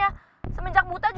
kalau lo panik gue ikutan panik